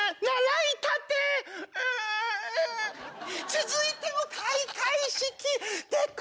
続いても開会式。